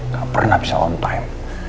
ga pernah bisa lontain